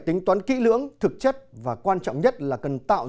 xin kính chào và hẹn gặp lại